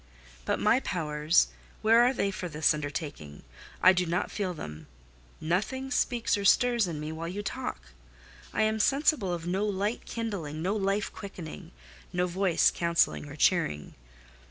"But my powers—where are they for this undertaking? I do not feel them. Nothing speaks or stirs in me while you talk. I am sensible of no light kindling—no life quickening—no voice counselling or cheering.